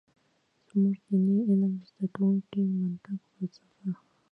زمونږ ديني علم زده کوونکي منطق ، فلسفه ،